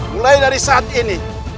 mulai dari saat ini